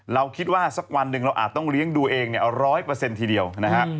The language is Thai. เราคิดว่าสักวันหนึ่งเราอาจต้องเลี้ยงดูเอง๑๐๐ทีเดียวนะฮะ